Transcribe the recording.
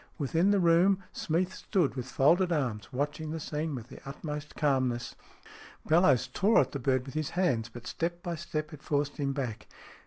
Within the room SMEATH 41 Smeath stood with folded arms, watching the scene with the utmost calmness. Bellowes tore at the bird with his hands, but step by step it forced him back.